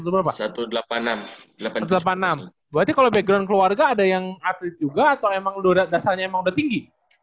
berarti kalau background keluarga ada yang atlet juga atau emang dasarnya emang udah tinggi